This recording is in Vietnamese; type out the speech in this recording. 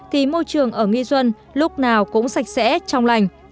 thì môi trường ở nghi xuân lúc nào cũng sạch sẽ trong lành